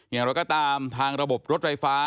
อย่างไรก็ตามทางระบบรถไฟฟ้า